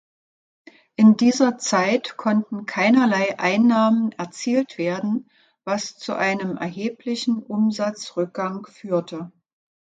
In dieser Zeit konnten keinerlei Einnahmen erzielt werden, was zu einem erheblichen Umsatzrückgang führte.